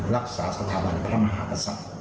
รักษาสถาบันพระมหาศัพท์